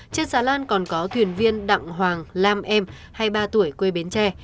trên xà lan còn có thuyền viên đặng hoàng lam em hai mươi ba tuổi quê bến tre